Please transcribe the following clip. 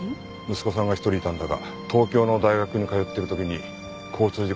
息子さんが１人いたんだが東京の大学に通ってる時に交通事故で亡くなったそうだ。